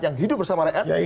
yang hidup bersama rakyat